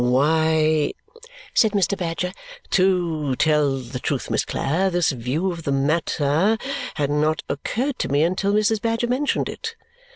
"Why," said Mr. Badger, "to tell the truth, Miss Clare, this view of the matter had not occurred to me until Mrs. Badger mentioned it.